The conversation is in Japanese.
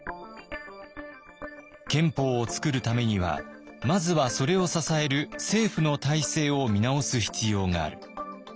憲法をつくるためにはまずはそれを支える政府の体制を見直す必要がある。